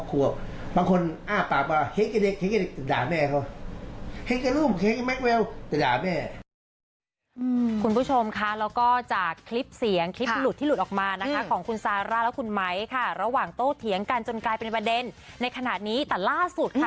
คุณผู้ชมค่ะแล้วก็จากคลิปเสียงคลิปหลุดที่หลุดออกมานะคะของคุณซาร่าและคุณไม้ค่ะระหว่างโต้เถียงกันจนกลายเป็นประเด็นในขณะนี้แต่ล่าสุดค่ะ